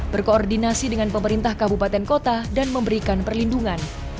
berkoordinasi dengan pemerintah kabupaten kota dan memberikan perlindungan